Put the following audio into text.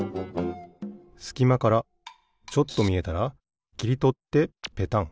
すきまからちょっとみえたらきりとってペタン。